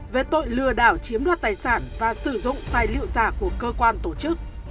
về tội lừa đảo chiếm đoạt tài sản và sử dụng tài liệu giả của cơ quan tổ chức